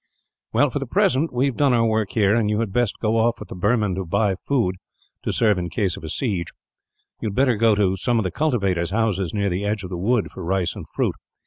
"Well, for the present we have done our work here; and you had best go off with the Burman to buy food, to serve in case of a siege. You had better go to some of the cultivators' houses, near the edge of the wood, for rice and fruit.